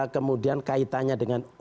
kemudian kaitannya dengan